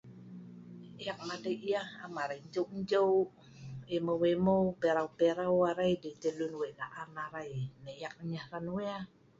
Eek madei yeh am arai njeu njeu, imeu imeu, pirau pirau arai dei tah luen wei la'an arai ne'ek nyeh hran we'.